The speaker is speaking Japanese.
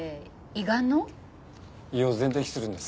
胃を全摘するんです。